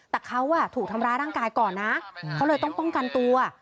แต่เขาถูกทำร้ายร่างกายก่อนนะเขาเลยต้องป้องกันตัว